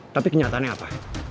tapi kenyataannya apa